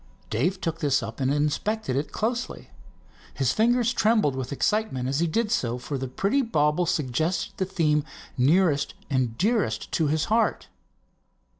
Dave took this up and inspected it closely. His fingers trembled with excitement as he did so, for the pretty bauble suggested the theme nearest and dearest to his heart.